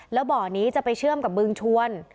แล้วบ่อนี้จะไปเชื่อมกับบึงชวน